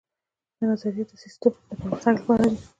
دا نظریې د سیسټم د پرمختګ لپاره دي.